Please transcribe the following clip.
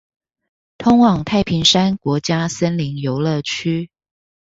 通往太平山國家森林遊樂區